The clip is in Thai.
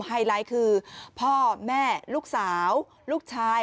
ไฮไลท์คือพ่อแม่ลูกสาวลูกชาย